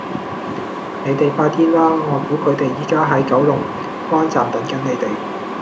你哋快啲啦!外父佢哋而家喺九龍灣站等緊你哋